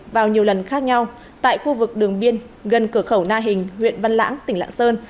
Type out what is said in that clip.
vào nhiều lần khác nhau tại khu vực đường biên gần cửa khẩu na hình huyện văn lãng tỉnh lạng sơn